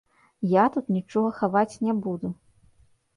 Я тут нічога хаваць не буду.